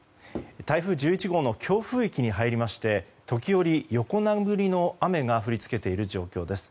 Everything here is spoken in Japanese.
台風１１号の強風域に入りまして時折、横殴りの雨が降りつけている状況です。